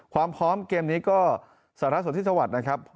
ความพร้อมเกมนี้ก็สารสนทิศวรรษนะครับ